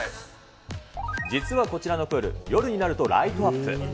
実はこちらのプール、夜になるとライトアップ。